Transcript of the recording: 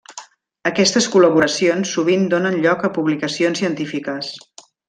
Aquestes col·laboracions sovint donen lloc a publicacions científiques.